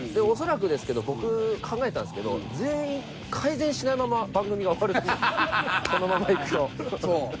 恐らくですけど僕考えたんですけど全員改善しないまま番組が終わると思う。